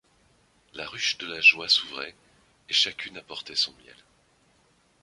La ruche de la joie s’ouvrait, et chacune apportait son miel.